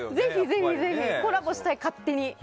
ぜひコラボしたい、勝手に。